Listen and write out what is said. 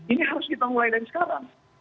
ini harus kita mulai dari sekarang